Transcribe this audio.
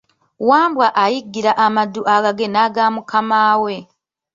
Wambwa ayiggira amaddu agage n’agamukamaawe.